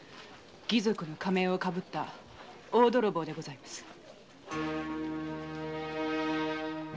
義賊の仮面をかぶった大泥棒でございます。